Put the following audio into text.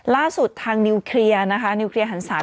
ล่าสุดทางนิวเคลียร์นะคะนิวเคลียร์หันศาส